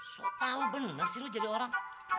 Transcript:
sok tau bener sih lo jadi orang